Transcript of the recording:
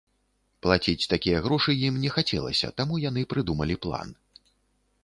Плаціць такія грошы ім не хацелася, таму яны прыдумалі план.